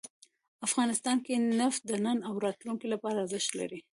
افغانستان کې نفت د نن او راتلونکي لپاره ارزښت لري.